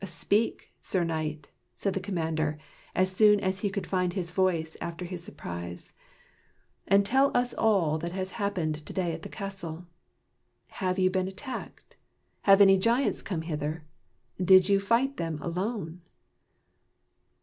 " Speak, Sir Knight," said the commander, as soon as he could find his voice after his surprise, " and tell us all that has happened to day at the castle. Have you been attacked? Have any giants come hither? Did you fight them alone?